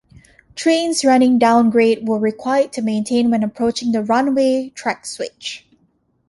Trains running downgrade were required to maintain when approaching the runaway track switch.